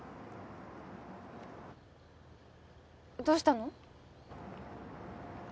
どうしたの？